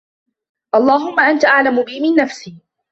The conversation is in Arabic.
اللَّهُمَّ أَنْتَ أَعْلَمُ بِي مِنْ نَفْسِي